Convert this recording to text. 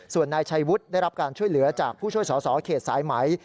ส่วนนายชัยวุฒิได้รับการช่วยเหลือจากผู้ช่วยสอสอเขตสายไหม